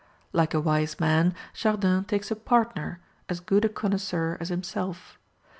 Like a wise man, Chardin takes a partner, as good a connoisseur as himself.